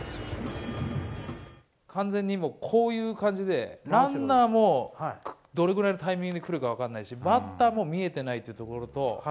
完全に、こういう感じでランナーもどれぐらいのタイミングで来るか分からないし、バッターも見えていないというところと。